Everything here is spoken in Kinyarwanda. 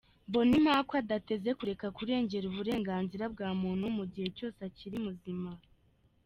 Mbonimpa ko adateze kureka kurengera uburenganzira bwa muntu mu gihe cyose akiri muzima.